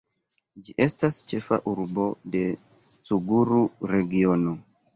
Ĝi estas ĉefa urbo de Cugaru-regiono.